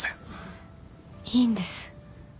いいんです。